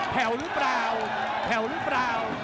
วหรือเปล่าแผ่วหรือเปล่า